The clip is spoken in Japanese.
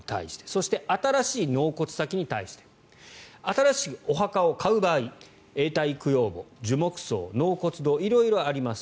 そして新しい納骨先に対して新しくお墓を買う場合永代供養墓、樹木葬納骨堂、色々あります。